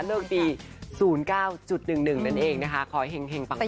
เลือกตีศูนย์เก้าจุดหนึ่งหนึ่งนั่นเองนะคะคอยแห่งแห่งปังปัง